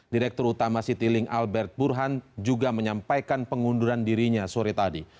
direktur utama citylink albert burhan juga menyampaikan pengunduran dirinya sore tadi